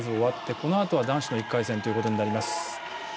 このあとは男子の１回戦ということになります。